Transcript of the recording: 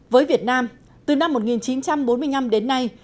với việt nam từ năm một nghìn chín trăm bốn mươi năm đến nay